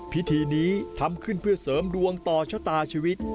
พิธีนี้ทำขึ้นเพื่อเสริมดวงต่อชะตาชีวิต